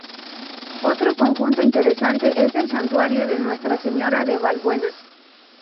Otro conjunto interesante es el santuario de Nuestra Señora de Valbuena.